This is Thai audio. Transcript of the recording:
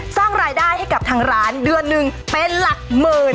สร้างรายได้ให้กับทางร้านเดือนหนึ่งเป็นหลักหมื่น